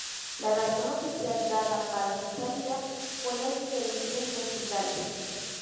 La razón oficial dada para su salida fue las diferencias musicales.